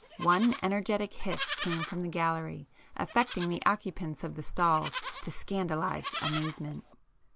One energetic hiss came from the gallery, affecting the occupants of the stalls to scandalized amazement.